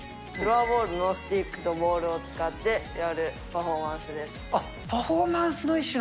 フロアボールのスティックとボールを使ってやるパフォーマンスです。